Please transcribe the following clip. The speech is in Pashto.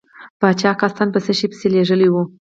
پاچا قاصد په څه شي پسې لیږلی و.